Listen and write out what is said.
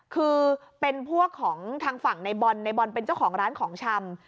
คือเป็นพวกของทางฝั่งในบอลในบอลเป็นเจ้าของร้านของชำ